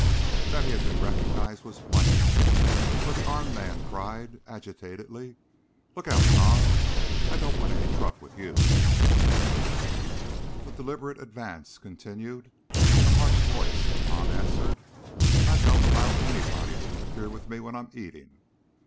That he had been recognized was plain, for the armed man cried, agitatedly: "Look out, Tom! I don't want any truck with you." The deliberate advance continued; in a harsh voice Tom answered: "I don't allow anybody to interfere with me when I'm eating!"